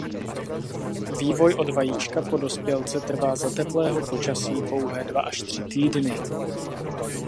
Vývoj od vajíčka po dospělce trvá za teplého počasí pouhé dva až tři týdny.